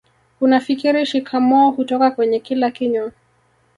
unafikiri shikamoo hutoka kwenye kila kinywa